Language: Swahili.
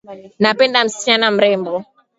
Napenda msichana mrembo